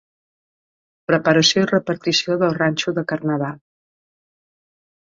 Preparació i repartició del ranxo de carnaval.